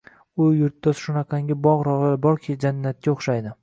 U yurtda shunaqangi bog‘-rog‘lar borki, jannatga o‘xshaydi.